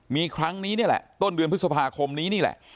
มีครั้งนี้นี่แหละต้นเดือนพฤษภาคมนี้นี่แหละ